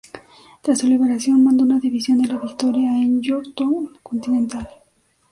Tras su liberación, mandó una división en la victoria en Yorktown continental.